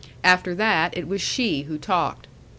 After that, it was she who talked.